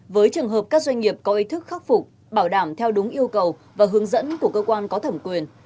với trường hợp các doanh nghiệp có ý thức khắc phục bảo đảm theo đúng yêu cầu và hướng dẫn của cơ quan có thẩm quyền